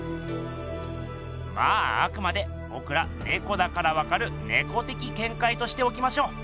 まああくまでぼくらねこだからわかる「ねこ的見解」としておきましょう。